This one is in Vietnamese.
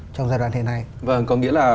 trong giai đoạn thế này vâng có nghĩa là